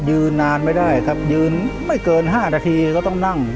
ยืนนานไม่ได้ครับยืนไม่เกิน๕นาทีก็ต้องนั่ง